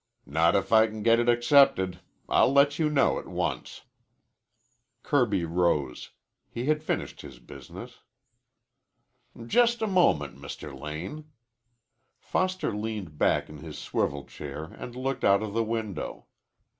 "Not if I can get it accepted. I'll let you know at once." Kirby rose. He had finished his business. "Just a moment, Mr. Lane." Foster leaned back in his swivel chair and looked out of the window.